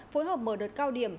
phối hợp mở đợt cao điểm